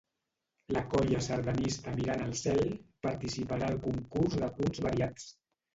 La colla sardanista Mirant al Cel participarà al concurs de punts variats